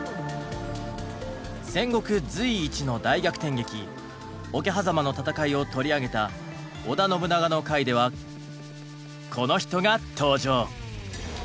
戦国随一の大逆転劇「桶狭間の戦い」を取り上げた織田信長の回ではこの人が登場。